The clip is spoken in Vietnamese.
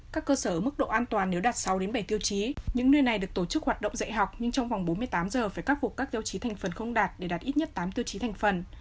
các cơ sở mức độ an toàn nếu đạt sáu bảy tiêu chí những nơi này được tổ chức hoạt động dạy học nhưng trong vòng bốn mươi tám giờ phải khắc phục các tiêu chí thành phần không đạt để đạt ít nhất tám tiêu chí thành phần